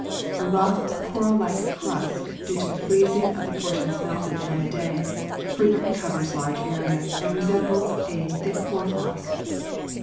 A rough, coral like crust, due to the freezing of the portions melted during the day, frequently covers large areas and resembles a thick hoar frost.